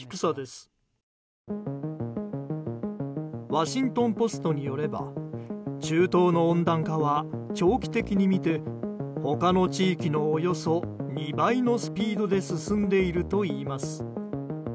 ワシントン・ポストによれば中東の温暖化は長期的に見て他の地域のおよそ２倍のスピードで進んでいるといいます。